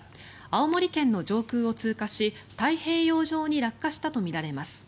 青森県の上空を通過し太平洋上に落下したとみられます。